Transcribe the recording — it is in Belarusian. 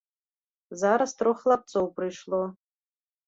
Зараз трох хлапцоў прыйшло.